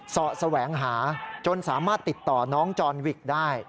เสาะแสวงหาจนสามารถติดต่อน้องจอนวิกได้